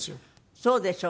そうでしょう。